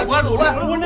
buat ibu messi